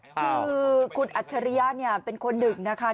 คือคุณอัจฉริยะเนี่ยเป็นคนหนึ่งนะคะ